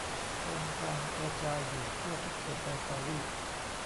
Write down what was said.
โครงการกระจายอยู่ทั่วทุกเขตในปารีส